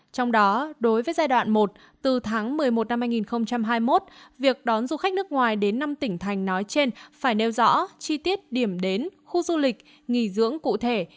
trong đó đối với giai đoạn một từ tháng một mươi một năm hai nghìn hai mươi một việc đón du khách nước ngoài đến năm tỉnh thành nói trên phải nêu rõ chi tiết điểm đến khu du lịch nghỉ dưỡng cụ thể